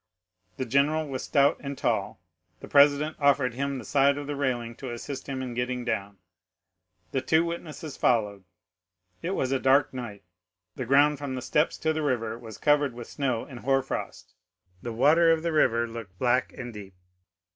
The general was stout and tall, the president offered him the side of the railing to assist him in getting down. The two witnesses followed. It was a dark night. The ground from the steps to the river was covered with snow and hoarfrost, the water of the river looked black and deep.